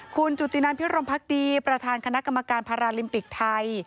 คุณจุตินันพิรมพักดีประธานคณะกรรมการพาราลิมปิกไทย